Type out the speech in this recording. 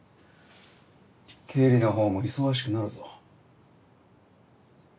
経理のほうも忙しくなるぞ。